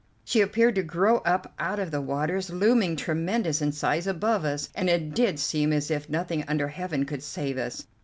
She appeared to grow up out of the waters; looming tremendous in size above us, and it did seem as if nothing under Heaven could save us.